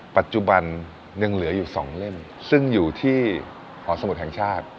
ปัจจุบันยังเหลืออยู่สองเล่มซึ่งอยู่ที่หอสมุทรแห่งชาติ